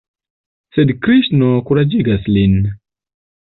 Sed Kriŝno kuraĝigas lin.